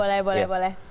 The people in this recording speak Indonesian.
oh boleh boleh boleh